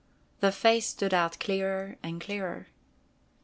The face stood out clearer and clearer.